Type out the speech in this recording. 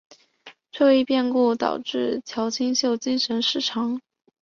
这一变故导致乔清秀精神失常。